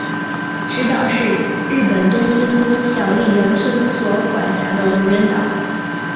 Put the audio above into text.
侄岛是日本东京都小笠原村所管辖的无人岛。